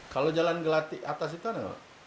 kalau jalan gelatik atas itu ada